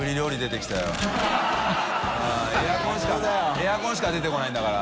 エアコンしか出てこないんだから。